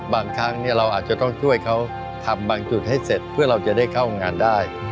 บางครั้งเราอาจจะต้องช่วยเขาทำบางจุดให้เสร็จเพื่อเราจะได้เข้างานได้